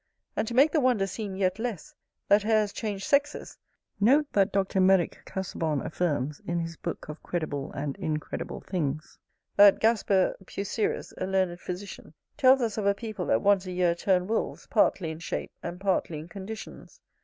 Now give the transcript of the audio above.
And to make the wonder seem yet less, that hares change sexes, note that Dr. Mer. Casaubon affirms, in his book "Of credible and incredible things," that Gasper Peucerus, a learned physician, tells us of a people that once a year turn wolves, partly in shape, and partly in conditions.